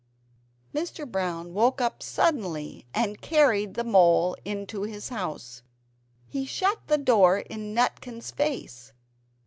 Mr. Brown woke up suddenly and carried the mole into his house. He shut the door in Nutkin's face.